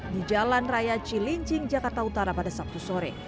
di jalan raya cilincing jakarta utara pada sabtu sore